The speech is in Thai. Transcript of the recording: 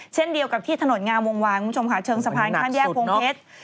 เช่นเดียวกับที่ถนนงามวงวานคุณผู้ชมค่ะเชิงสะพานข้ามแยกโพงเพชร